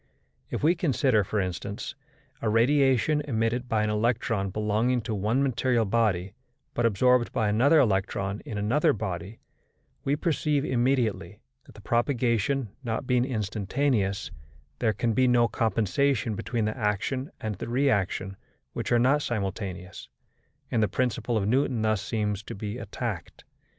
If we consider, for instance, a radiation emitted by an electron belonging to one material body, but absorbed by another electron in another body, we perceive immediately that, the propagation not being instantaneous, there can be no compensation between the action and the reaction, which are not simultaneous; and the principle of Newton thus seems to be attacked.